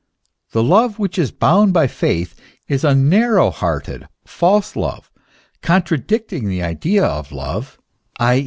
The love which is bound by faith, is a narrow hearted, false love, contradicting the idea of love, i.